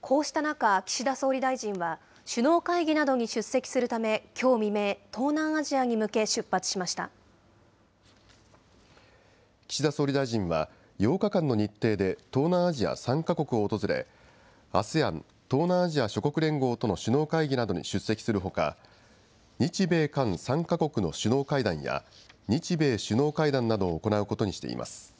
こうした中、岸田総理大臣は首脳会議などに出席するため、きょう未明、東南アジアに向け、出岸田総理大臣は、８日間の日程で、東南アジア３か国を訪れ、ＡＳＥＡＮ・東南アジア諸国連合との首脳会議などに出席するほか、日米韓３か国の首脳会談や、日米首脳会談などを行うことにしています。